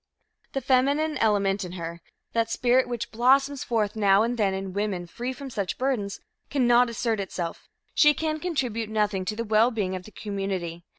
The feminine element in her that spirit which blossoms forth now and then in women free from such burdens cannot assert itself. She can contribute nothing to the wellbeing of the community.